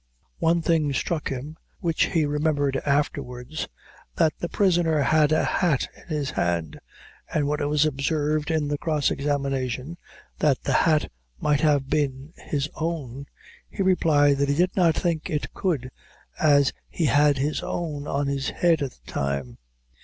One thing struck him, which he remembered afterwards, that the prisoner had a hat in his hand; and when it was observed in the cross examination that the hat might have been his own, he replied that he did not think it could, as he had his own on his head at the time.